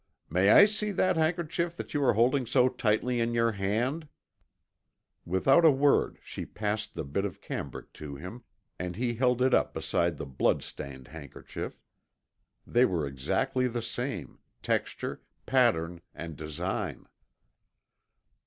"May I see that handkerchief that you are holding so tightly in your hand?" Without a word she passed the bit of cambric to him and he held it up beside the blood stained handkerchief. They were exactly the same, texture, pattern, and design!